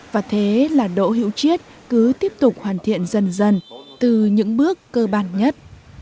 và thế là độ hiệu triết cứ tiếp tục hoàn thiện dần dần từ những bước cơ bản nhất